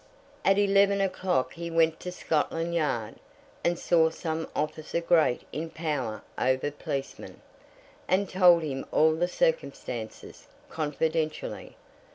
At eleven o'clock he went to Scotland Yard, and saw some officer great in power over policemen, and told him all the circumstances, confidentially.